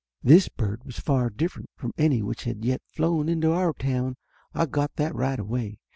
This bird was far different from any which had as yet flown into our town; I got that right away.